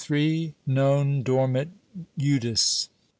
NON DORMIT JUDAS.